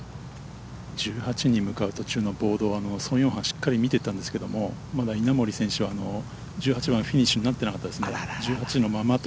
１８に向かう途中のボードソン・ヨンハンしっかり見てたんですけどまだ稲森選手は１８番フィニッシュになっていなかったですね。